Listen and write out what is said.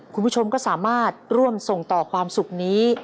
คุณผู้ชมก็สามารถร่วมส่งต่อความสุขนี้